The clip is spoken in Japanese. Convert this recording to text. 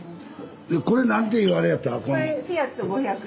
これ何て言われやった？